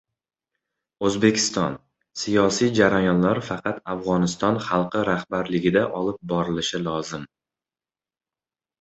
O‘zbekiston: “Siyosiy jarayonlar faqat Afg‘oniston xalqi rahbarligida olib borilishi lozim”